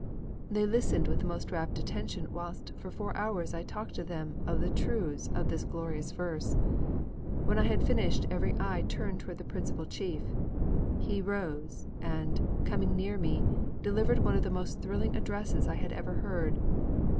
_ They listened with the most rapt attention whilst for four hours I talked to them of the truths of this glorious verse. When I had finished, every eye turned towards the principal chief. He rose, and, coming near me, delivered one of the most thrilling addresses I have ever heard.